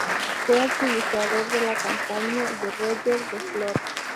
Fue administrador de la Compañía de Roger de Flor.